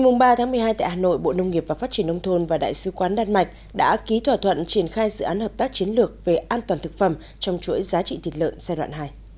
ngày ba một mươi hai tại hà nội bộ nông nghiệp và phát triển nông thôn và đại sứ quán đan mạch đã ký thỏa thuận triển khai dự án hợp tác chiến lược về an toàn thực phẩm trong chuỗi giá trị thịt lợn giai đoạn hai